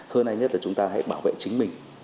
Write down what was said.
hơn ai nhất là chúng ta hãy bảo vệ chính mình